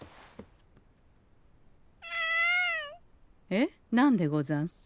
えっ何でござんす？